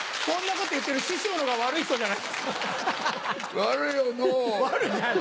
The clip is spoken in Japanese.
そんなこと言ってる師匠のほうが悪い人じゃないですか。